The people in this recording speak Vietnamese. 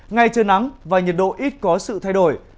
ngay trời nắng và nhiệt độ ít có sự thay đổi